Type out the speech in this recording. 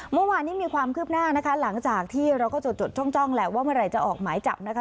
เมื่อวานนี้มีความคืบหน้านะคะหลังจากที่เราก็จดจ้องแหละว่าเมื่อไหร่จะออกหมายจับนะคะ